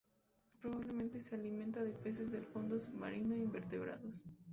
Probablemente se alimenta de peces del fondo submarino e invertebrados.